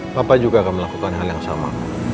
bapak juga akan melakukan hal yang sama